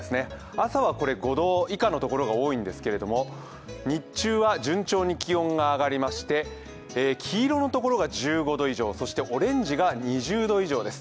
朝は５度以下の所が多いんですけれども、日中は順調に気温が上がりまして、黄色の所が１５度以上、そしてオレンジが２０度以上です。